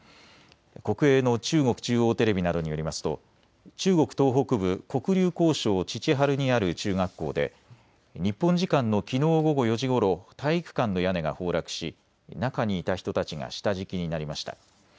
国営の中国中央テレビなどによりますと中国東北部黒竜江省チチハルにある中学校で日本時間のきのう午後４時ごろ体育館の屋根が崩落し中にいた人たちが下敷きになりました。